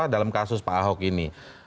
dalam kasus pak ahok ini